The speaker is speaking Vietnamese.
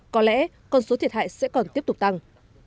có lẽ con số thiệt hại sẽ còn tiếp tục tăng